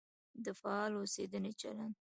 د فعال اوسېدنې چلند.